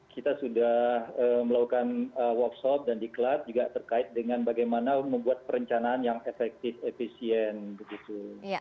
kita sudah melakukan workshop dan diklat juga terkait dengan bagaimana membuat perencanaan yang efektif efisien begitu